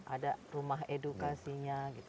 ada rumah edukasinya